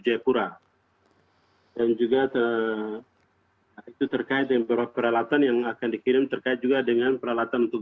jaipura dan juga terkait dengan peralatan yang akan dikirim terkait juga dengan peralatan untuk